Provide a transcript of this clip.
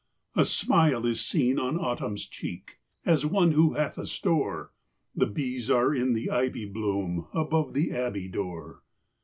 A smile is seen on Autumn's cheek, As one who hath a store ; The bees are in the ivy bloom, Above the abbey door.